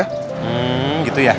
hmm gitu ya